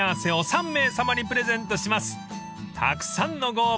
［たくさんのご応募